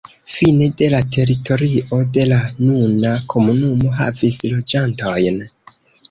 Fine de la teritorio de la nuna komunumo havis loĝantojn.